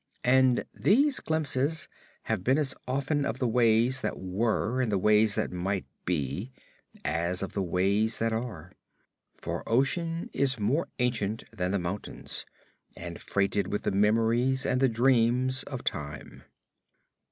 And these glimpses have been as often of the ways that were and the ways that might be, as of the ways that are; for ocean is more ancient than the mountains, and freighted with the memories and the dreams of Time.